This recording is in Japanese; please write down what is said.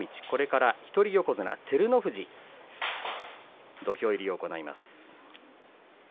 これから一人横綱照ノ富士が土俵入りを行います。